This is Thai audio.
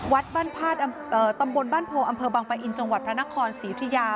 วัดตำบลบ้านโพอำเภอบังปะอินจังหวัดพระนครสีพิยา